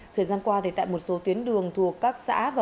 thời gian qua tại một số tuyến đường thuộc các xã